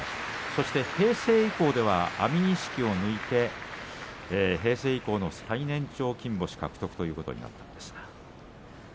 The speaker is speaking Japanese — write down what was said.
そして平成以降では安美錦を抜いて平成以降の最年長金星獲得ということになりました。